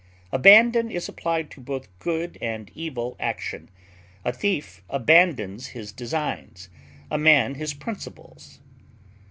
Abandon is applied to both good and evil action; a thief abandons his designs, a man his principles.